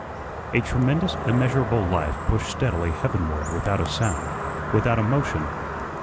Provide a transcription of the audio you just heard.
A tremendous, immeasurable Life pushed steadily heavenward without a sound, without a motion.